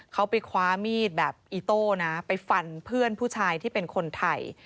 เขาไปคว้ามีดแบบอีโต้นะไปฟันเพื่อนผู้ชายที่เป็นคนไทย